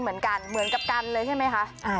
เหมือนกันเลยใช่ไหมคะ